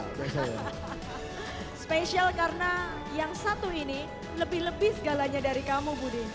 spesial karena yang satu ini lebih lebih segalanya dari kamu budi